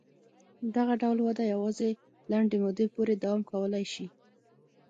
دغه ډول وده یوازې لنډې مودې پورې دوام کولای شي.